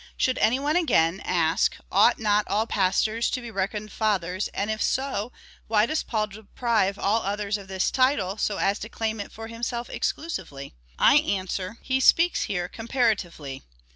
Should any one, again, ask, " Ought not all j)astors to be reckoned fathers, and if so, why does Paul deprive all others of this title, so as to claim it for himself exclusively V I answer —" He speaks here comparatively."